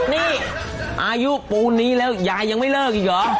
นี่อายุปูนนี้แล้วยายยังไม่เลิกอีกเหรอ